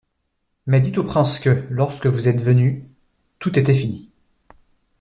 Mais dites au prince que, lorsque vous êtes venu, tout était fini!